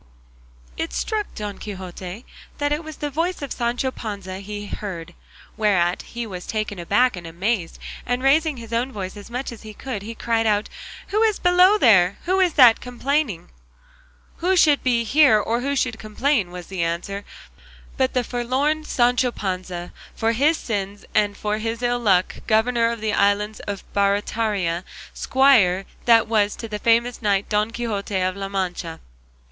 It struck Don Quixote that it was the voice of Sancho Panza he heard, whereat he was taken aback and amazed, and raising his own voice as much as he could, he cried out, "Who is below there? Who is that complaining?" "Who should be here, or who should complain," was the answer, "but the forlorn Sancho Panza, for his sins and for his ill luck governor of the island of Barataria, squire that was to the famous knight Don Quixote of La Mancha?"